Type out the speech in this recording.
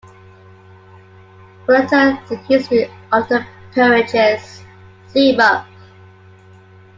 For later history of the peerages, see above.